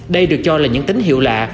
đây được cho là những tín hiệu lạ